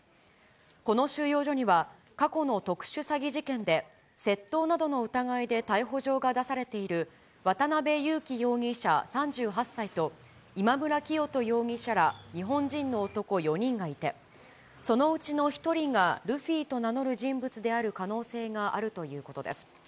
この収容所には、過去の特殊詐欺事件で窃盗などの疑いで逮捕状が出されている渡辺優樹容疑者３８歳と、イマムラキヨト容疑者ら、日本人の男４人がいて、そのうちの１人がルフィと名乗る人物である可能性があるということです。